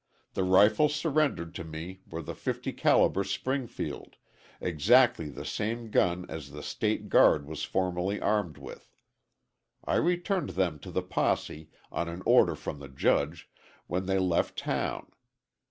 The rifles surrendered to me were the 50 calibre Springfield, exactly the same gun as the State Guard was formerly armed with. I returned them to the posse, on an order from the judge, when they left town.